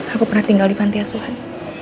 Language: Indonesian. aku pernah tinggal di panti asuhan